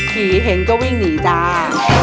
เห็นก็วิ่งหนีจ้า